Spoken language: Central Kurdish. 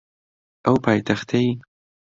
ئەو پایتەختەی